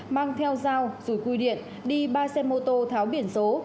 mang theo dao dùi cui điện đi ba xe mô tô tháo biển số